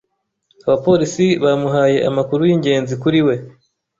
Abapolisi bamuhaye amakuru yingenzi kuri we.